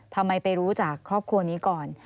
ทำไมไปรู้จากครอบครัวนี้ก่อน